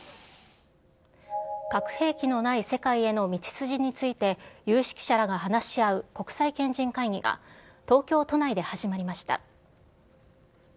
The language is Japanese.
核兵器のない世界への道筋について有識者らが話し合う国際賢人会議が、東京都内で始まりました。